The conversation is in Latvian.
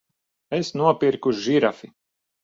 Es nopirku žirafi!